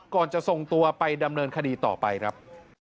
จะส่งตัวไปดำเนินคดีต่อไปครับ